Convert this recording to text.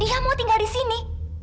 dia mau tinggal disini